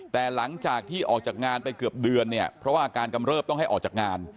แต่หลังจากที่ออกจากงานไปเกือบเดือนเนี่ยเพราะว่าอาการกำเริบต้องให้ออกจากงาน